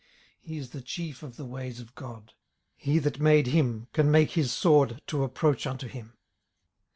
18:040:019 He is the chief of the ways of God: he that made him can make his sword to approach unto him.